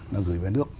họ gửi về nước